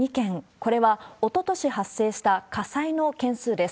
これはおととし発生した火災の件数です。